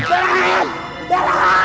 buku peruan gua